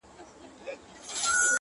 په یوي افساني پسې خپل خوبونه تړې